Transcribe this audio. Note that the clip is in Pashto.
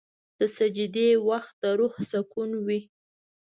د سجدې وخت د روح سکون وي.